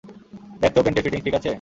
দেখ তো পেন্টের ফিটিংস ঠিক আছে?